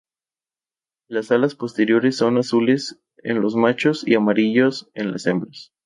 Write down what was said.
Las alas posteriores son azules en los machos y amarillos en las hembras.